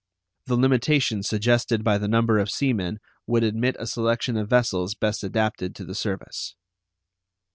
The limitation suggested by the number of sea men would admit a selection of vessels best adapted to the service.